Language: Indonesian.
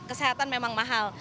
kesehatan memang mahal